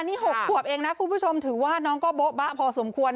นี่๖ขวบเองนะคุณผู้ชมถือว่าน้องก็โบ๊บะพอสมควร